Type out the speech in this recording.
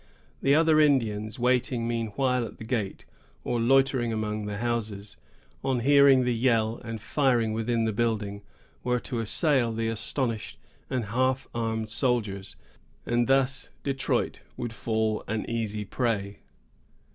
The other Indians, waiting meanwhile at the gate, or loitering among the houses, on hearing the yells and firing within the building, were to assail the astonished and half armed soldiers; and thus Detroit would fall an easy prey.